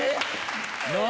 何？